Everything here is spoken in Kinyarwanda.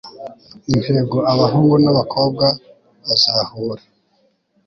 intego abahungu n'abakobwa bazahura